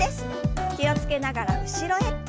気を付けながら後ろへ。